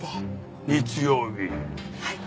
はい。